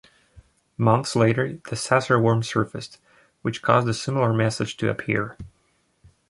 Months later, the Sasser worm surfaced, which caused a similar message to appear.